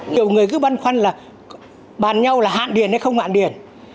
nhiều người cứ băn khoăn là bàn nhau là hạn điển hay không hạn điển